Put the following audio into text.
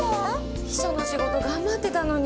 秘書の仕事頑張ってたのに。